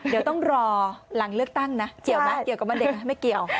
เดี๋ยวต้องรอหลังเลือกตั้งนะเกี่ยวไหมเกี่ยวกับวันเด็กไหมไม่เกี่ยว